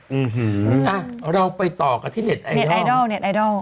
หื้อหืออ่ะเราไปต่อกันที่เน็ตไอดอล